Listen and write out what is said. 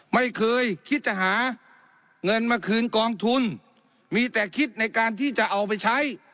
ไม่เคยคิดจะหาเงินมาคืนกองทุนมีแต่คิดในการที่จะเอาไปใช้